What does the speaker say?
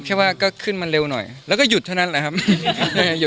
แค่ว่าก็ขึ้นมาเร็วหน่อยแล้วก็หยุดเท่านั้นแหละครับ